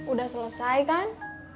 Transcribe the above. udah selesai kan